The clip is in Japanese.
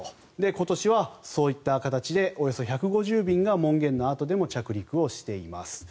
今年はそういった形でおよそ１５０便が門限のあとでも着陸をしています。